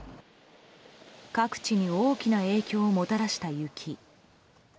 各地に大きな影響をもたらした雪。